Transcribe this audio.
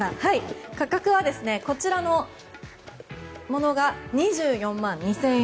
価格はこちらのものが２４万２０００円。